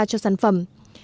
cho sản phẩm